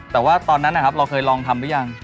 แต่ว่าตอนนั้นนะครับเราเคยลองทำหรือยัง